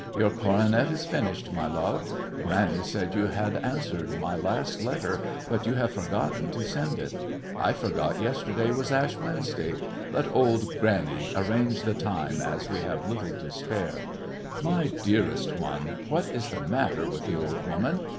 Your coronet is finished, my love. Granny said you had answered my last letter, but you have forgotten to send it. I forgot yesterday was Ash Wednesday. Let old granny arrange the time, as we have little to spare. "My dearest one, what is the matter with the old woman?